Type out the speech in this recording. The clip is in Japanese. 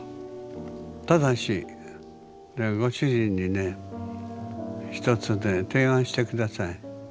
ただしご主人にね一つね提案して下さい。